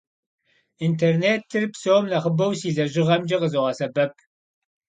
Интернетыр псом нэхъыбэу си лэжьыгъэмкӏэ къызогъэсэбэп.